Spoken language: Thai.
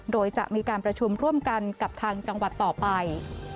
โดยจะมีการประชุมร่วมกันกับทางจังหวัดต่อไป